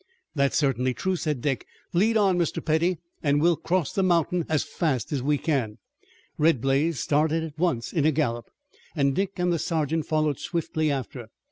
"That is certainly true," said Dick. "Lead on, Mr. Petty, and we'll cross the mountain as fast as we can." Red Blaze started at once in a gallop, and Dick and the sergeant followed swiftly after.